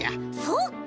そっか！